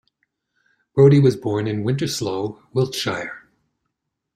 Brodie was born in Winterslow, Wiltshire.